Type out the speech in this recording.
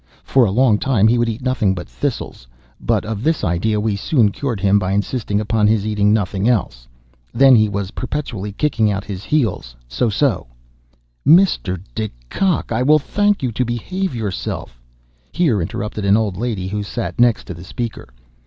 For a long time he would eat nothing but thistles; but of this idea we soon cured him by insisting upon his eating nothing else. Then he was perpetually kicking out his heels—so—so—" "Mr. De Kock! I will thank you to behave yourself!" here interrupted an old lady, who sat next to the speaker.